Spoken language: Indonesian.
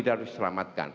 dan juga menyelamatkan